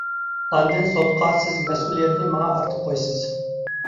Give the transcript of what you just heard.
ئاندىن سوتقا سىز مەسئۇلىيەتنى ماڭا ئارتىپ قويىسىز.